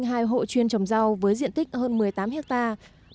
rau chuyên trồng rau với diện tích hơn một mươi tám hectare